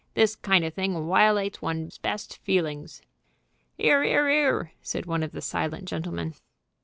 This kind of thing wiolates one's best feelings." "'Ear, 'ear, 'ear!" said one of the silent gentlemen.